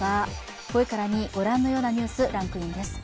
５位から２位、ご覧のようなニュースランクインです。